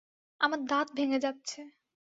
আমার দাঁত ভেঙ্গে যাচ্ছে।